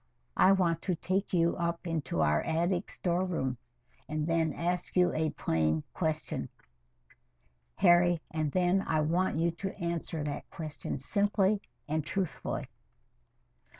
"I want to take you up into our attic storeroom, and then ask you a plain question, Harry, and then I want you to answer that question simply and truthfully."